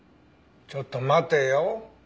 ちょっと待てよ。